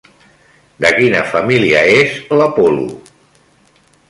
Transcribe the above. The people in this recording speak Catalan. De quina família és l'apol·lo?